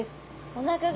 おなか側。